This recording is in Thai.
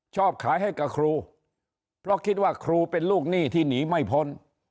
ชอบขายให้กับครูเพราะคิดว่าครูเป็นลูกหนี้ที่หนีไม่พ้น